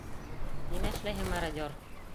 Нимә эшләйһең, мародер?